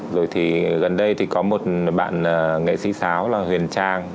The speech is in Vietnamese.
rồi thì gần đây thì có một bạn nghệ sĩ sáo là huyền trang